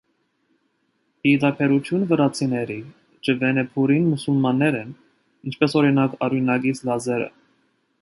Ի տարբերություն վրացիների, չվենեբուրին մուսուլմաններ են, ինչպես օրինակ, արյունակից լազերը։